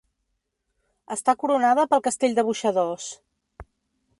Està coronada pel Castell de Boixadors.